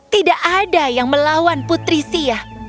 tidak ada yang melawan putri sia